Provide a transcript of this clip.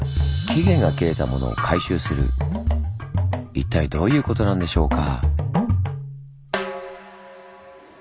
一体どういうことなんでしょうか？